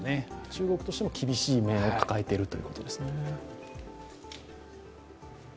中国としても厳しい面を抱えてるということですね。